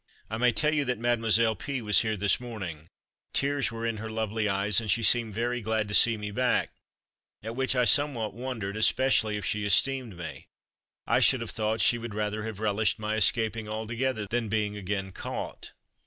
I may tell you that Mademoiselle P was here this morning; tears were in her lovely eyes, and she seemed very glad to see me back, at which I somewhat wondered, especially if she esteemed me. I should have thought she would rather have relished my escaping altogether, than being again caught."